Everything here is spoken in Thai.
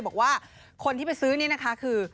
บอกว่าคนที่ไปซื้อนี่นะคะคือ